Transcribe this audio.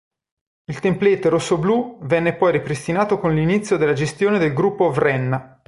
Il template rossoblù venne poi ripristinato con l'inizio della gestione del gruppo Vrenna.